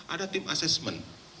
ada tim asesmen